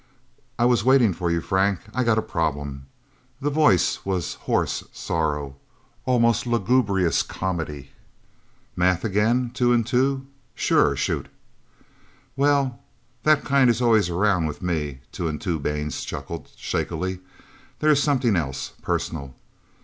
"I was waiting for you, Frank. I got a problem." The voice was hoarse sorrow almost lugubrious comedy. "Math again, Two and Two? Sure shoot." "Well that kind is always around with me," Two and Two Baines chuckled shakily. "This is something else personal.